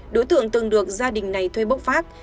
đối tượng từng được gia đình này thuê bốc phát